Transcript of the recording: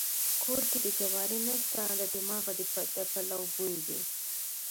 کور کې دې جواري نسته د دماغه دې د پلو بوی ځي.